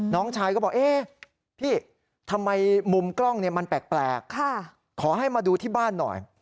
น้องชายก็บอกเอ๊ะพี่ทำไมมุมกล้องมันแปลกขอให้มาดูที่บ้านหน่อย